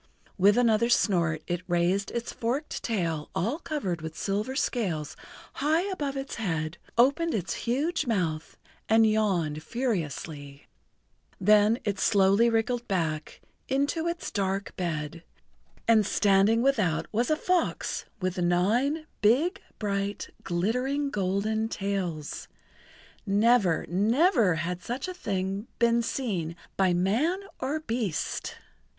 With another snort it raised its forked tail all covered with silver scales high above its head, opened its huge mouth and yawned furiously. Then it slowly wriggled back into its dark bed, and standing without was a fox with nine big, bright, glittering, golden tails. Never, never had such a thing been seen by man or beast!